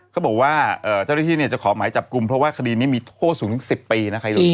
เขาบอกว่าเจ้าหน้าที่จะขอหมายจับกลุ่มเพราะว่าคดีนี้มีโทษสูงถึง๑๐ปีนะใครรู้